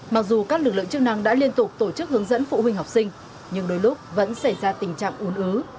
mặc dù các lực lượng chức năng đã liên tục tổ chức hướng dẫn phụ huynh học sinh nhưng đôi lúc vẫn xảy ra tình trạng ồn ứ